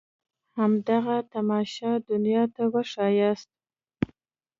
همدغه تماشه دنيا ته وښاياست.